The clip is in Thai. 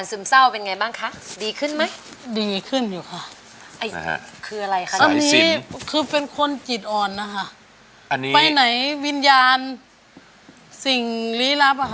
สิ่งไม่ดี